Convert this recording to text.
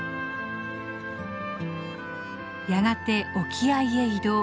やがて沖合へ移動。